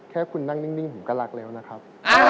แค่คุณนั่งนิ่งผมก็รักแล้วนะครับ